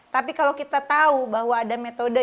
tapi kalau kita tahu bahwa ada metode